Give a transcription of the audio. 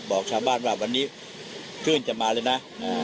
บอกชาวบ้านว่าวันนี้คลื่นจะมาเลยนะ